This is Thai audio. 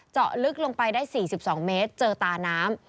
เจาะลึกลงไปได้๔๒เมตรเจอตาน้ำ